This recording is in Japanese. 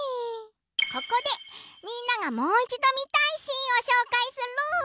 ここで、みんなが、もう一度見たいシーンを紹介する！